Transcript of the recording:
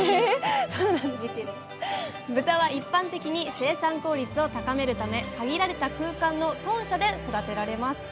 豚は一般的に生産効率を高めるため限られた空間の豚舎で育てられます。